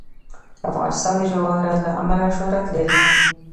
افغانستان د جواهرات له امله شهرت لري.